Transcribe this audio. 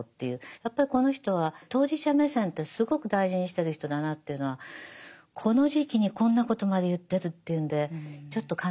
やっぱりこの人は当事者目線ってすごく大事にしてる人だなっていうのはこの時期にこんなことまで言ってるっていうんでちょっと感嘆しましたね。